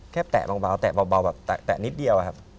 แค่แตะเบาแบบแตะนิดเดียว